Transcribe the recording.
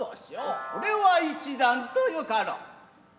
それは一段とよかろう。